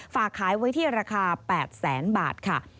ฝากขายไว้ที่ราคา๘๐๐๐๐๐บาท